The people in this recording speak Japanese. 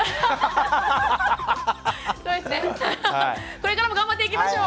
これからも頑張っていきましょう。